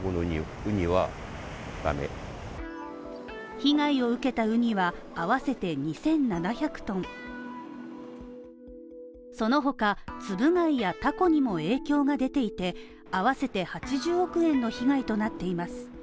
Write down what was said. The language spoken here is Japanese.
被害を受けたウニは合わせて２７００ｔそのほか、ツブ貝やタコにも影響が出ていて、あわせて８０億円の被害となっています。